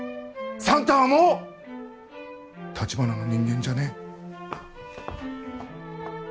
算太はもう橘の人間じゃねえ。